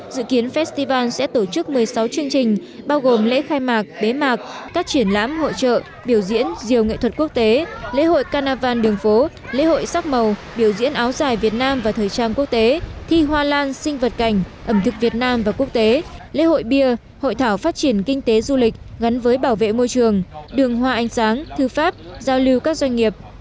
dự kiến festival sẽ tổ chức một mươi sáu chương trình bao gồm lễ khai mạc bế mạc các triển lãm hội trợ biểu diễn diều nghệ thuật quốc tế lễ hội carnaval đường phố lễ hội sắc màu biểu diễn áo dài việt nam và thời trang quốc tế thi hoa lan sinh vật cảnh ẩm thực việt nam và quốc tế lễ hội bia hội thảo phát triển kinh tế du lịch gắn với bảo vệ môi trường đường hòa ánh sáng thư pháp giao lưu các doanh nghiệp